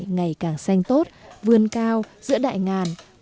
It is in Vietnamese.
ngày càng xanh tốt vươn cao giữa đại ngàn